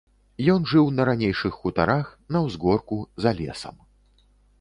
Ён жыў на ранейшых хутарах, на ўзгорку, за лесам.